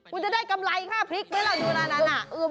มันจะได้กำไรข้าวพริกไหมล่ะดูระดับนั้น